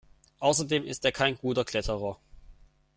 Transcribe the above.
Außerdem ist er kein guter Kletterer.